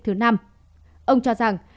thứ năm ông cho rằng